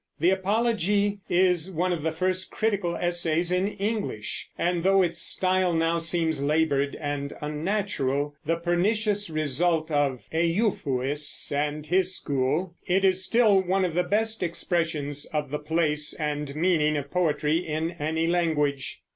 The Apologie is one of the first critical essays in English; and though its style now seems labored and unnatural, the pernicious result of Euphues and his school, it is still one of the best expressions of the place and meaning of poetry in any language.